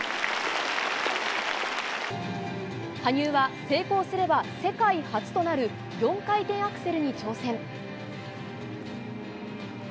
羽生は成功すれば世界初となる４回転アクセルに挑戦。